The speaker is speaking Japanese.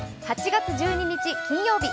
８月１２日金曜日。